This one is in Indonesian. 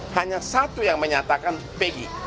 hanya satu yang menyatakan pg